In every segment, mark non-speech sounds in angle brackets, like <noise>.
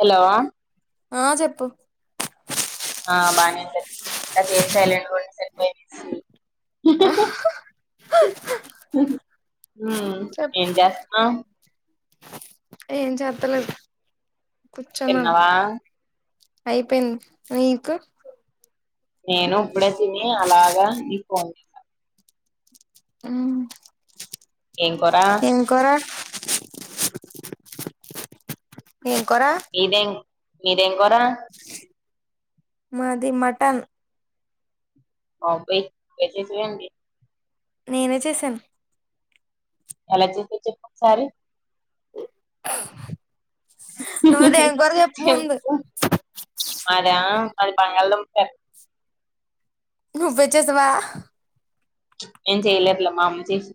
hello ఆ చెప్పు ఆ బానే ఉంటది కాసేపు సైలెంట్ గుంటే సరిపోయి కే ఆ సార్ చెప్ ఏం చేస్తాం ఏం చెప్పలేదు తిన్నవా అయిపోయింది మీకు నేను ఇప్పుడే తిని అలాగా నీక్ ఫోన్ చేసాను ఉ ఏం కూర ఎం కూర మీరేం కూర మాది మటన్ ఓపీ మెసేజ్లండి నేనే చేశాను ఎలా చేసావ్ చెప్పు ఒకసారి నువ్వు దేంకూర చెప్పు ముందు మాద మాది బంగాళదుంప కర్రి నువ్వే చేశావా నెన్ చేయలేదులే మా అమ్మ చేసి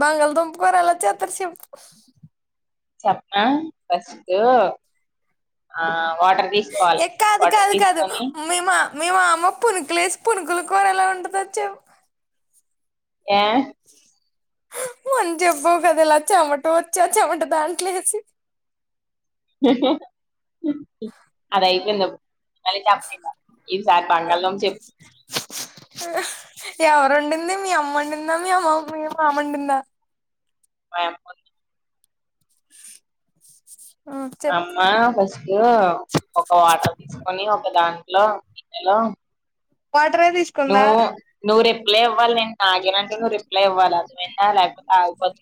బంగళదుంప కూర ఎలా సేత్తారు చెప్పు చెప్న ఫస్ట్ ఆ వాటర్ తీసుకోవాలి ఎ కాదు వాటర్ కాదు కాదు తీసుకొని మీమా మీ మామ పునుకులేసి పునుకులు కూర ఎలా ఉంటదొ చెప్ ఏ మంచి చెబ్బవు కద ఇలాచ్చమట వచ్చి చెమట దాంట్లేసి అదయిపోంద బ చెప్పలే ఈసారి బంగాళదుంప చెప్ ఆ ఎవరు వండింది మీ అమ్మండిందా మీ అమ్మ వండిందా మీ మామండిందా <inaudible> <inaudible> మా చెప్పు అమ్మా ఫస్ట్ ఒక వాటర్ తీసుకొని ఒక దాని ట్లో గిన్నెలో వాటరే తీసుకుందా నువ్వు నువ్వు రిప్లై ఇవ్వాలి నాగేనంటే నువ్ రిప్లై ఇవ్వాల అది వినా లేకపోతే ఆగిపోద్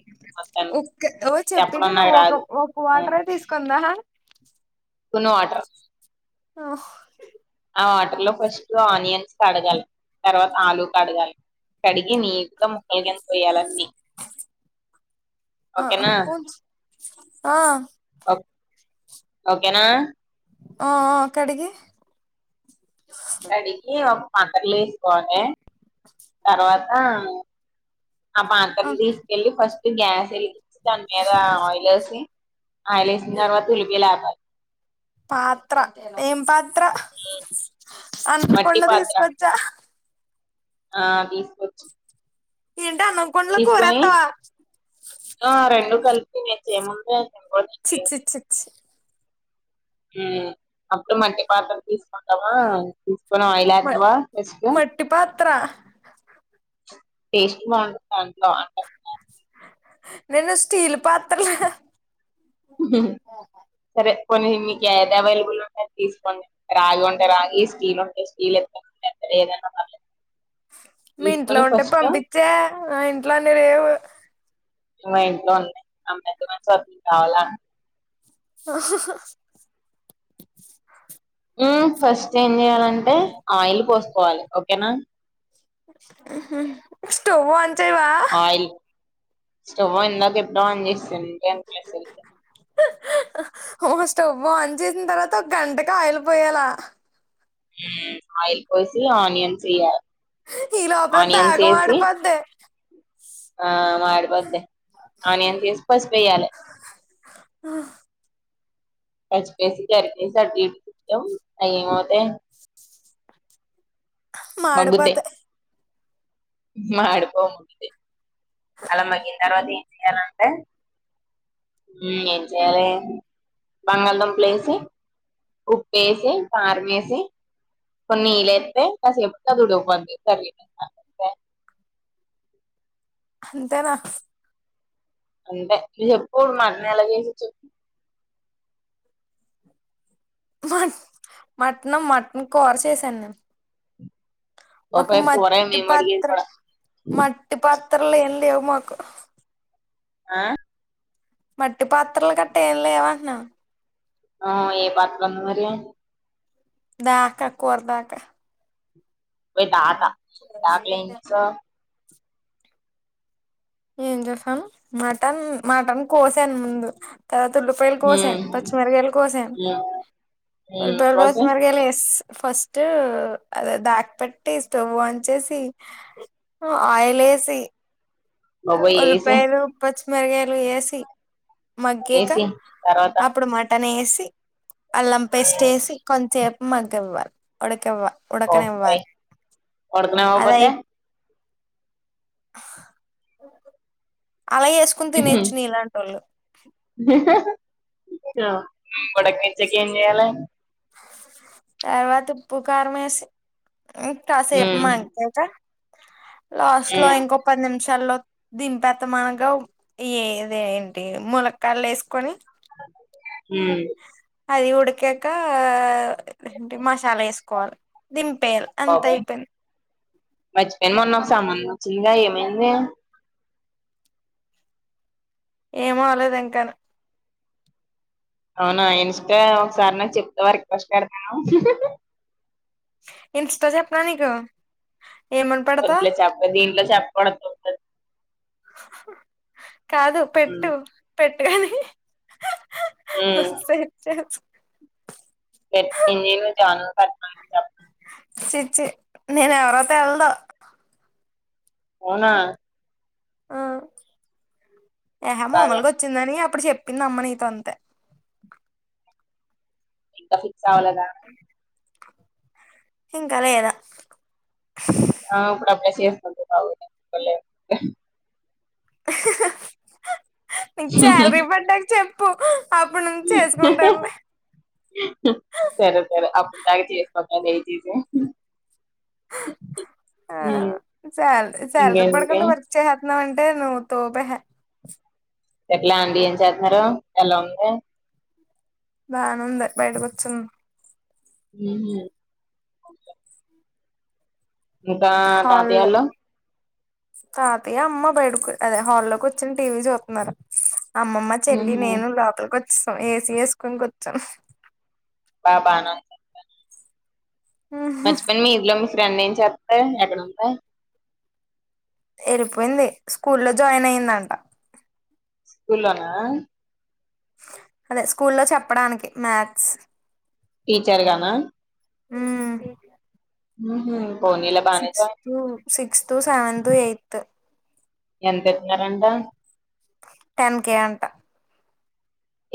ఒక్క ఓ చెప్పింది నువ్వు ఒక రాదు ఒక వాటరే తీసుకుందా కుంది వాటర్ ఓహ్ ఆ వాటర్ లో ఫస్ట్ ఆనియన్స్ కడగాలి తర్వాత ఆలూ కడగాలి కడి నీట్ గా ముక్కలు గాని కొయ్యాలన్నీ ఆ ఓకేనా ఆ ఓకేనా ఆ ఆ కడిగి కడిగి ఒక పాత్రలో వేసుకోవాలి తర్వాత ఆ పాత్రను తీసుకెళ్ళి ఫస్ట్ గ్యాస్ తెలిగ్గిచ్చి దాని మీద ఆయిలేసి ఆయిలేసిన తర్వాత ఉలికి లేపాలి పాత్ర ఏం పాత్ త్ర మట్టి అంతకొండ పాత్ర తిసుకొచ్చ ఆ తీసుకోచ్ ఏంటి అన్నం కుండలో తీసుకొని కూరేత్తావా ఆ రెండు కలిపి నే చేయముందే చి చి చి చి ఉ అప్పుడు మట్టి పాత్ర తీసుకుంటామా కొన ఆయిల్ మ ఎత్తామ ఫస్టు మట్టి పాత్ర టేస్ట్ బాగుంటది దాంట్లో బాగుంట నేను స్టీల్ పాత్రలో సరే పోనీ నికి ఏది అవైలబుల్ తీసుకోండి రాగి ఉంటే రాగి స్టీల్ ఉంటే స్టీల్ ఇత్తడి ఉంటే ఇత్తడి ఏదైనా పర్లేదు మీ ఇంట్లో తీసుకొని ఉంటే ఫస్ట్ పంపించే నా ఇంట్లో అన్ని లేవు మా ఇంట్లో ఉన్నాయి అమ్మెద్దం అని చుత్తన్న కావాలా ఆ ఫస్ట్ ఏం చెయాలంటే ఆయిల్ పోసుకోవాలి ఓకేనా స్టవ్ ఆన్ చెయ్యవ ఆయిల్ స్టవ్ ఇందాక ఎప్పుడో అన్ చేస్సా ఓ స్టవ్ ఆన్ చేసిన తర్వాత ఒక గంటకి ఆయిల్ పోయాల ఆయిల్ పోసి ఆనియన్స్ వేయ ఈ లోపల దాగమాడిపోద్ది ఆ మాడిపోద్ద ఆనియన్స్ వేసి పసుపెయ్యాలి ఆ పచ్చిపేసి జరికేసి అయ్యేమయితాయి మాడిపోతే మాడుకోముది అలా మగ్గిన తర్వాత ఏం చెయాలంటే ఉ ఏం చేయాలి బంగాళదుంపలు ఏసీ ఉప్పేసి కారం వేసి కొన్ని లేతే కాసేపుకి అది ఉడికిపిద్ది కర్రి అంత అంతేనా అంటే నువ్వు చెప్పు మటన్ ఎలా చేసేది చెప్ మ మటన్ మటన్ కూర చేసాను నేను ఒక్క ఓపే పోరే మట్టి మేము అడిగేది పాత్ర కూడా మట్టి పాత్ర మట్టి పాత్రలో ఏం లేవు మాకు ఆ మట్టి పాత్రలు కట్ట ఏం లేవంటన్నాను ఆ ఏ పాత్ర ఉంది మరి దాకా కూర దాకా మీ తాత దాకాలు ఏం చేసావ్ ఏం చేసాను మటన్ మటన్ కోసాను ముందు తర్వాత ఉల్లిపాయల కొసను హ్మ్ పచ్చిమిరపకాయలు కొసను హ్మ్ హ్మ్ ఉల్లిపాయలు కోసి పచ్చిమిరపకాయలు ఎస్ ఫస్ట్ దాక పెట్టి స్టవ్ ఆన్ చేసి ఆయిలేసి ఎసి బాబోయ్ ఏసి ఉల్లిపాయలు పచ్చిమిరగాయలు వేసి మగ్గక ఏసి తర్వాత అప్పుడు మటన్ వేసి అల్లం పేస్ట్ వేసి కొంచే సాపు మగ్గివ్వాలి ఉడకివ్వాలి బాబోయ్ ఉడకనివ్వాలి అది ఉడకనివ్వకపోతే అలా వేసుకుని తినచ్చు నీలాంటోళ్లు ఉ ఉడకనిచ్చాక ఏం చేయాలి తర్వాత ఉప్పు కారం వేసి కాసేపు హ్మ్ మగ్గాక లాస్ట్ లో హ్మ్ ఇంకో పది నిమిషాల్లో దింపేస్తున్నాం అనగా ఏది ఏంటి ములక్కయలు వేసుకొని ఉ అది ఉడికాక ఏంటి మసాలా వేసుకోవాలి దిం బాబాయ్ మర్చిపోయాను మొన్నో సంబంధం వచ్చిందిగా ఏమైంది ఏమ అవలేదు ఇంకాని అవునా ఇన్స్ట ఒకసారి నాకు చెప్తావా రిక్వస్ట్ పెడతాను ఇన్స్టా చెప్పనా నీకు ఏమని పెడతా వద్దులే చెప్పకు దీంట్లో చెప్పకూడదు కాదు ఉమ్ పెట్టు పెట్ ఉమ్ <unintelligible> పెట్టినాను జానూ నీ పెట్టామని చి చి నేను ఎవరో తెల్దు అవునా ఆ ఏహా బాగా మామలుగా వచ్చిందని ఇప్పుడు చెప్పింది అమ్మ నితో అంతే ఇంకా ఫిక్స్ అవ్వలేదా ఇంకా లేదా ఆ అప్పుడప్పుడు చేసుకోవదూ నా దగ్గర డబ్బులు కూడా లేవు నీకు శాలరీ పడ్డాక చెప్పు అప్పుడు నుంచి చేసుకుంటానులే సరే సరే అప్పు అప్పటిదాకా చేసుకోకు దయచేసే ఆ సాల శాలరీ ఇంకేంటి పడుకుండ వర్క్ చెట్నవంటే నువ్వు తోపహ ఎట్లా అండి ఏం చేతన్నారు ఎలా ఉంది బానే ఉంది బయటకొచ్చింది ఉహు ఇంకా హాల్లో తాతయోల్లు తాతయ్య అమ్మ బయటకు అదే హాల్లోకి వచ్చి టీవీ చూత్తున్నారు అమ్మమ్మ చెల్లి ఉహు నేను లోపలికి వచ్చేసాం ఏసీ ఎసుకొని కూచ్చు బాబానా మచ్చిపోయ్ని మీ ఇదిలో మీ ఫ్రెండ్ ఏం చెత్తది ఎక్కడ ఉంది ఎరిపోయింది స్కూల్లో జాయిన్ అయిందంట స్కూల్లోన అదే స్కూల్లో చెప్పడానికి మ్యాథ్స్ టీచర్గానా ఊ ఉహు పోనీలే బానే సిక్స్తో సిక్స్త్ సెవెన్త్ ఎయిత్ ఎంత ఇత్తునారంట టెన్ కే అంట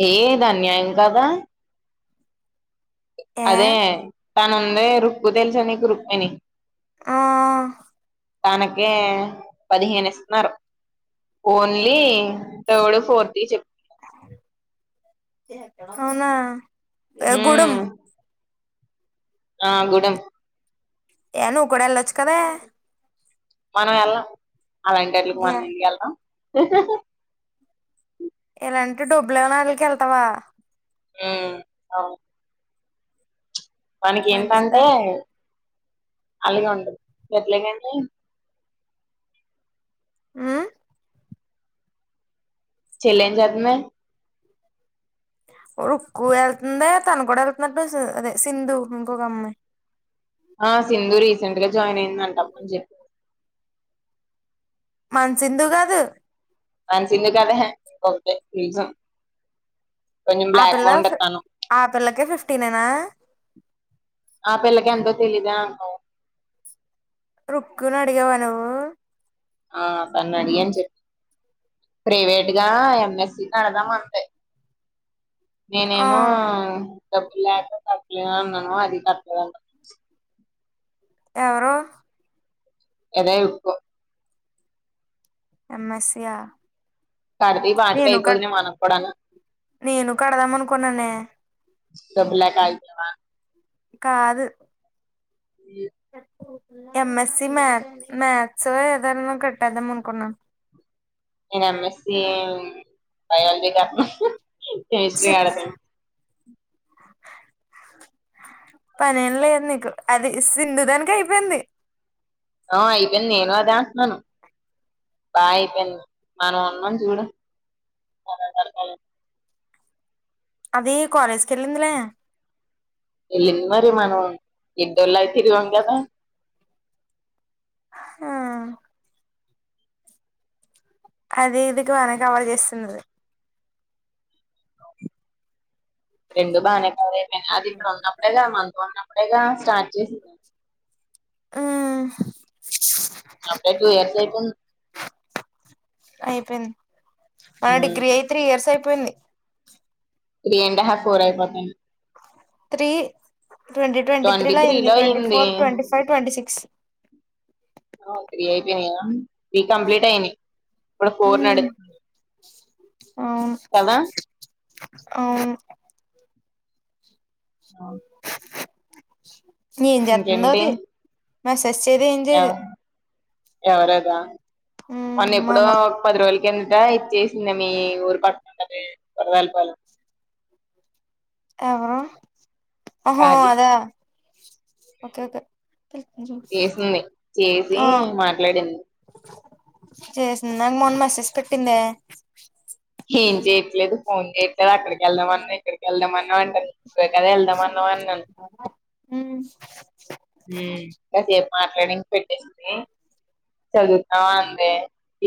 ఏ ఇది అన్యాయం కదా ఏ అదే తనుందే రుక్ తెలుసా నీకు రుక్మిణి ఆ తానకే పదిహేను ఇస్తున్నారు ఓన్లీ థర్డ్ ఫోర్త్ చెప్ అవునా గుడం ఉమ్ ఆ గుడం ఏను కూడా వెళ్ళొచ్చు కదా మనం వెళ్లం అలాంటి అట్లకి ఏ మనం ఇయ్యళ్ల ఎలాంటె డబ్బులు ఇయ్యని ఆళ్ళకి ఎళ్తావా ఉ అవును మనకి ఏంటంటే మంచిదా అలాగే ఉంటది ఎట్లని అంటే ఉ చెల్లెం చెత్తుంది రుక్కు వెళ్తుందా తను కూడా వెళ్తున్నట్టు అదే సింధు ఇంకొక అమ్మాయ్ ఆ సింధు రీసెంట్ గా జాయిన్ అయిందంటా అని చెప్ మన్సింధు కాదు మన సింధు కాదహే కొంచెం ఆ బ్లాక్ గా పిల్ల ఉంటది తను ఆ పిల్లకే ఫిఫ్టీనేనా ఆపిల్ల ఎంతో తెలిదే అన్నవ్ రుక్కుని అడిగావా నువు ఆ తన్ని అడిగాను అన్ చెప్పు ప్రైవేట్ గా ఎంఎస్సి కడదాం అంతే ఆ నేనేమో డబ్బులేక కట్టలేను అన్నాను అది కట్టలేదంట ఎవరు ఏదే ఇప్పు ఏం యస్ ఈ ఆ కర్ది బట అయిపోతున మనప్పుడను నేను కడదాం అనుకున్నానే గబ్లక్యతవా కాదు ఈ ఎంఎస్సి మ్యాథ్స్ ఏదనా కట్టేద్దాం అనుకున్నా నేను ఎంఎస్సి బయాళజీ కెమిస్ట్రీ ఛీ కడత <inaudible> పని ఏం లేదు నీకు అది సింధు దానికి అయిపోయింది ఆ అయిపోయింది నేను అదే అంటున్నాను బా అయిపోయింది మనం ఉన్నాం చూడు అది కాలేజీకి వెల్లిందిలే వెళ్ళింది మరి మనం ఇడ్డోళ్ళ అయి తిరిగాం కదా హా అది ఇది బానే కవర్ చేస్తున్నది రెండు బానే కవరైయిపోయినా అది ప్పుడు ఉన్నప్పుడేగా మనతో ఉన్నప్పుడేగా స్టార్ట్ చేసి ఆ అబుడే టు ఇయర్స్ అయిపోయి అయిపోయింది మన ఉమ్, డిగ్రీ అయి త్రీ ఇయర్స్ అయిపోయింది త్రీ అండ్ హాఫ్ ఫర్ అయిపోతాను త్రీ ట్వంటీ ట్వంటీ త్రీలో త్రీ అయ్యింది లో ట్వంటీ అయింది four twenty five twenty six three అయిపోయినాయా త్రీ కంప్లీట్ అయినయ్ ఇప్పుడు ఫోర్ నడు ఉమ్ అవును అవును అవు న ఏం చెస్తుంద అది మ సస్ ది ఏం చేయదు ఎవ- ఎవరదా ఉమ్ మొన్న ఎప్పుడో మన ఒక పది రోజుల కిందట ఇచ్చేసింది మీ ఊరు తాలప <unintelligible> ఎవరు ఒహో కాజీ అదాఓకేకే చేసింది చేసి ఆ మాట్లాడింది చేసింది నా మొన్న మెసేజ్ పెట్టిందే ఏం చేయట్లేదు ఫోన్ చేస్తాడు అక్కడికి వెళ్దామన్నా ఇక్కడికి వెళ్దామన్నా అంటారు ఇక్కడి కద వెళ్దామన్నా అన్నాను హు కాసేపు మాట్లాడిం పెట్టేస్తే చదువుతున్నావా అందే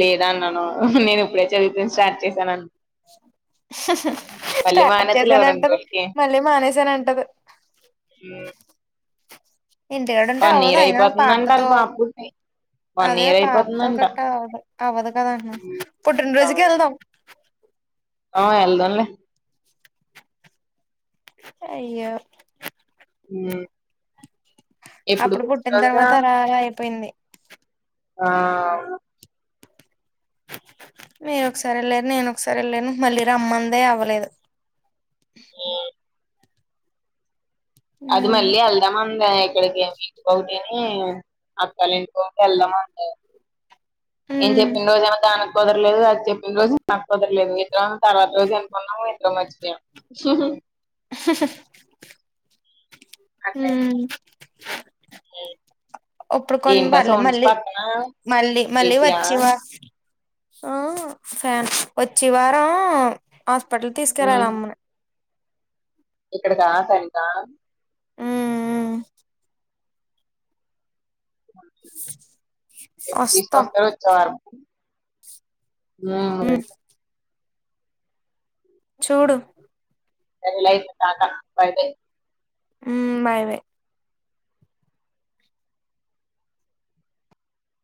లేదా అన్నాను నేను ఇప్పుడే చదువుతు స్టార్ట్ చేశాను స <inaudible> స్టార్ట్ మానేద్దులే ఓ చేసాన రెండు అంటది రోజులకి మళ్ళీ మానేసాన అంటది ఈ ఇంటికాడుంటే వన్ అవ్వదు ఇయరు అయినా అయిపోతుందంట వాళ్ళ పాపతో పాపుకి అదే పాపతో గట్ట అవ్వదు అవ్వదు కద అన్న ఉమ్, పుట్టినరోజుకి అవును వెళ్దాం ఆ ఎల్దంలే అయ్యో హూ అప్పుడు పుట్టిన తర్వాత అరాగ అయిపోయింది ఆ మీరుకసారి వెళ్ళరు నేనొకసారి వెళ్ళను మళ్ళీ రమ్మందే అవ్వలేదు అది ఉమ్ మళ్ళీ ఎల్దామా ఇంగ ఇక్కడికి మీకు ఓకే అని అక్కాల ఇంటికోటి వెళ్దామంట ఏం ఉమ్ చెప్పిన రోజు ఏమో దనకు కుదరలేదు అది చెప్పిన రోజు త కుదరలేదు ఇట్ తర్వాత రోజు చనుపన్నాము ఇందులో మర్చిపో ఊ ఒప్పుడు కొంచెం ఏంటా పర్లేదు సౌండ్స్ మళ్ళీ పక్కన మళ్ళీ మళ్ళీ ఏసీయా వచ్చివా ఆ ఫ్యాన్ వచ్చి వారం హాస్పిటల్ తీసుకెలరు ఆల అమ్మను ఇక్కడ కాసంతా ఉమ్ ఉమ్ అట్ తీస్ వస్తాం పాస్ తో చారు మరీ ఉమ్ చూడు దాని లైఫ్ కాత్త ఐపోయింది ఊ బాయ్ వే